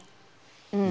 うん。